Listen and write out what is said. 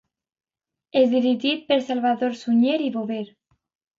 És dirigit per Salvador Sunyer i Bover.